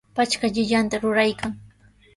Patrka llikanta ruraykan.